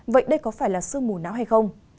vậy đây có phải là sương mù nào hay không